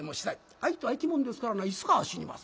相手は生き物ですからないつかは死にます。